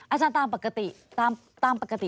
อาจารย์ตามปกติตามปกติ